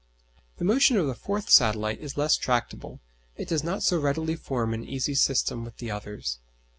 The motion of the fourth satellite is less tractable; it does not so readily form an easy system with the others.